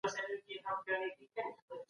هر غښتلی چي کمزوری